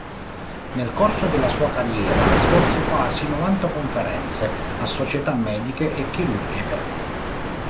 Nel corso della sua carriera svolse quasi novanta conferenze a Società mediche e chirurgiche.